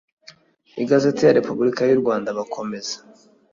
igazeti ya repubulika y u rwanda bakomeza